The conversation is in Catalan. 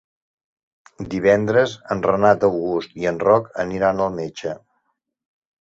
Divendres en Renat August i en Roc aniran al metge.